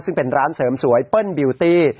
ซึ่งเป็นร้านเสริมสวยเปิ้ลบิวตี้